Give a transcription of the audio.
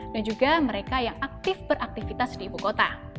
dan juga mereka yang aktif beraktivitas di ibu kota